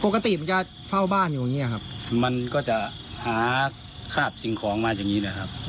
ปกติมันจะเฝ้าบ้านอยู่อย่างนี้ครับมันก็จะหาคราบสิ่งของมาอย่างนี้นะครับ